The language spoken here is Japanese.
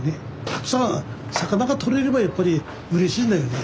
たくさん魚が取れればやっぱりうれしいんだよね。